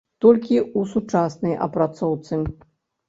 Толькі ў сучаснай апрацоўцы.